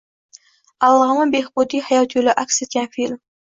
Alloma Behbudiy hayot yo‘li aks etgan film